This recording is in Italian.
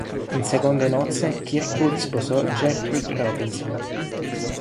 In seconde nozze, Kirkwood sposò Gertrude Robinson.